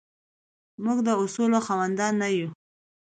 موږ د اصولو خاوندان نه یو.